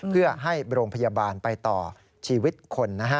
เพื่อให้โรงพยาบาลไปต่อชีวิตคนนะฮะ